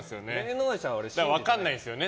ただ分からないんですよね。